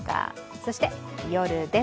そして夜です。